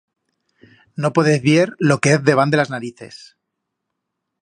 No podez vier lo que hez debant de las narices.